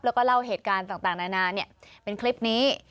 แล้วก็เล่าเหตุการณ์ต่างนานาเป็นคลิปนี้